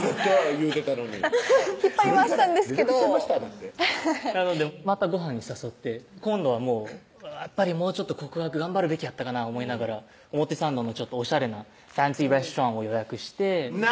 言うてたのに引っ張り回したんですけど「連絡しちゃいました」だってなのでまたごはんに誘って今度はもうやっぱりもうちょっと告白頑張るべきやったかな思いながら表参道のおしゃれなＦａｎｃｙｒｅｓｔａｕｒａｎｔを予約して何？